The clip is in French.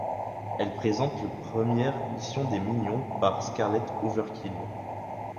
Elle présente la première mission des Minions par Scarlet Overkill.